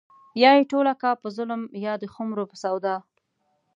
يا يې ټوله کا په ظلم يا د خُمرو په سودا